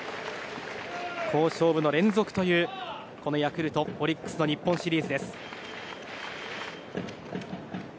好勝負の連続というこのヤクルト、オリックスの日本シリーズです。